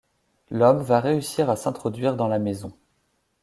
L'homme va réussir à s'introduire dans la maison.